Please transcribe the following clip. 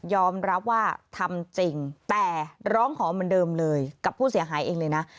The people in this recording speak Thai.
อมรับว่าทำจริงแต่ร้องขอเหมือนเดิมเลยกับผู้เสียหายเองเลยนะ